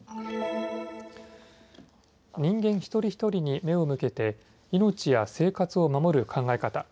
国民一人一人に目を向けて命や生活を守る考え方